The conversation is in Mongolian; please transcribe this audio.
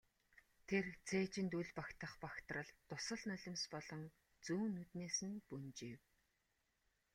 Тэр цээжинд үл багтах багтрал дусал нулимс болон зүүн нүднээс нь бөнжийв.